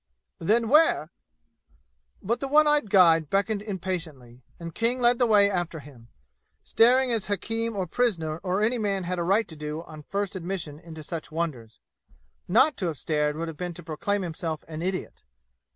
"Then, where " But the one eyed guide beckoned impatiently, and King led the way after him, staring as hakim or prisoner or any man had right to do on first admission to such wonders. Not to have stared would have been to proclaim himself an idiot.